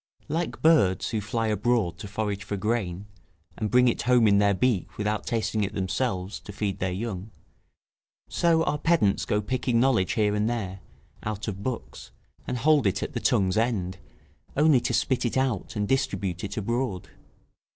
Like birds who fly abroad to forage for grain, and bring it home in the beak, without tasting it themselves, to feed their young; so our pedants go picking knowledge here and there, out of books, and hold it at the tongue's end, only to spit it out and distribute it abroad.